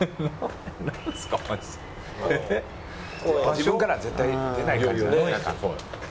自分からは絶対出ない感じなんか。